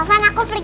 alvan aku pergi ya